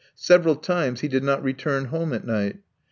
Several times he did not return home at night.